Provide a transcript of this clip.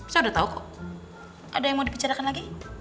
saya udah tahu kok ada yang mau dibicarakan lagi